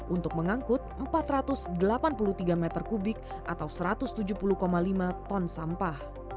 untuk mengangkut empat ratus delapan puluh tiga meter kubik atau satu ratus tujuh puluh lima ton sampah